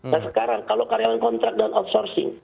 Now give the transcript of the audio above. nah sekarang kalau karyawan kontrak dan outsourcing